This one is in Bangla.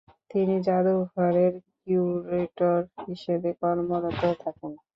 তিনি জাদুঘরের কিউরেটর হিসেবে কর্মরত থাকেন।